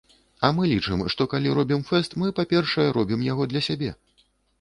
А мы лічым, што, калі робім фэст, мы, па-першае, робім яго для сябе.